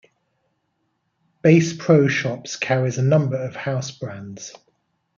Bass Pro Shops carries a number of house brands.